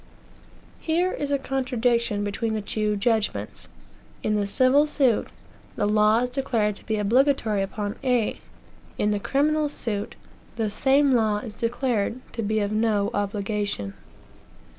Here is a contradiction between the two judgments. In the civil suit, the law is declared to be obligatory upon A; in the criminal suit, the same law is declared to be of no obligation.